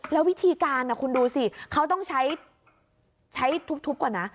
แล้ววิธีการคุณดูสิเขาต้องใช้ทุบก่อนนะ